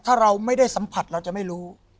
ถ้าเราไม่ได้สัมผัสเราจะไม่รู้